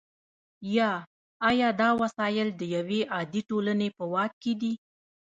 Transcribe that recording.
یا آیا دا وسایل د یوې عادلې ټولنې په واک کې دي؟